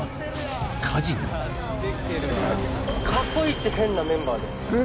過去イチ変なメンバーです